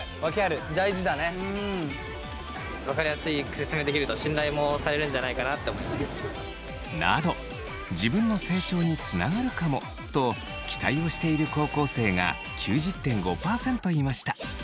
大事だね。など自分の成長につながるかもと期待をしている高校生が９０．５％いました。